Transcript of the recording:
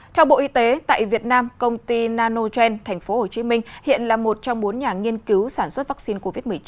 theo bộ y tế tại việt nam công ty nanogen thành phố hồ chí minh hiện là một trong bốn nhà nghiên cứu sản xuất vaccine covid một mươi chín